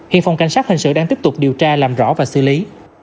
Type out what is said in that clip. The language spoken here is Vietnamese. hiện phòng cảnh sát hình sự đang tiếp tục điều tra làm rõ và xử lý